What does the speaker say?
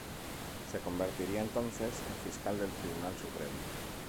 Se convertiría entonces en fiscal del Tribunal Supremo.